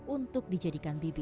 untuk dijadikan bibit